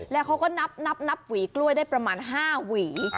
แล้วเค้าก็นับนะนับหนับหวีกล้วยได้ประมาณ๕หวี